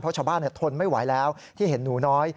เพราะชาวบ้านทนไม่ไหวแล้วที่เห็นหนูน้อย